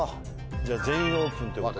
じゃ「全員オープン」ってことで。